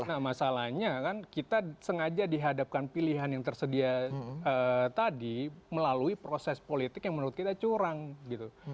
nah masalahnya kan kita sengaja dihadapkan pilihan yang tersedia tadi melalui proses politik yang menurut kita curang gitu